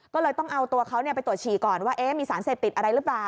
ก็เลยต้องเอาตัวเขาไปตรวจฉี่ก่อนว่ามีสารเสพติดอะไรหรือเปล่า